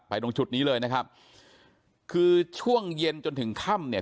ตรงจุดนี้เลยนะครับคือช่วงเย็นจนถึงค่ำเนี่ย